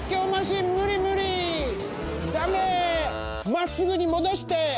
まっすぐにもどして！